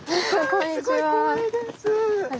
こんにちは。